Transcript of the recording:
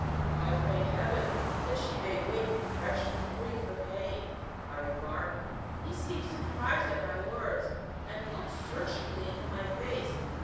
"I pray Heaven that she may wake refreshed and free from pain," I remarked. He seemed surprised at my words, and looked searchingly into my face.